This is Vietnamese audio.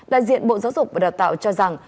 đại diện bộ giáo dục và đào tạo cho rằng